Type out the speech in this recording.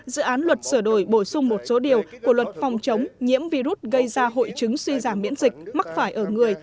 dự án luật sửa đổi bổ sung một số điều của luật phòng chống nhiễm virus gây ra hội chứng suy giảm miễn dịch mắc phải ở người